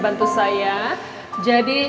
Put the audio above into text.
bantu saya jadi